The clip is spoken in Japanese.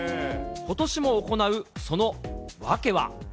ことしも行う、その訳は。